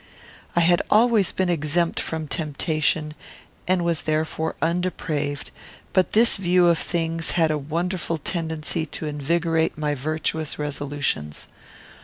I had always been exempt from temptation, and was therefore undepraved; but this view of things had a wonderful tendency to invigorate my virtuous resolutions.